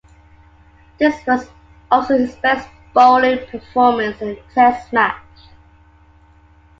This was also his best bowling performance in a Test match.